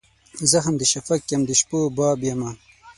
زخم د شفق یم د شپو باب یمه